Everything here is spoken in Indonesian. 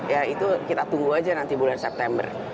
ya itu kita tunggu aja nanti bulan september